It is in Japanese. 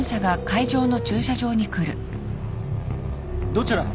どちらへ？